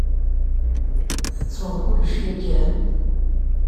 Tettuḍ kullec yakan?